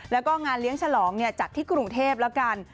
แล้วก็งานเลี้ยงฉลองจัดที่กรุงเทพแล้วกัน